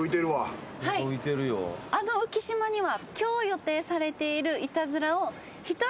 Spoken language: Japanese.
あの浮島には。